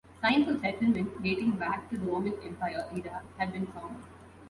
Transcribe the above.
Signs of settlement dating back to the Roman Empire era have been found.